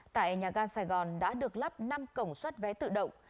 tại nhà gà sài gòn đã được lắp năm cổng suất vé tự động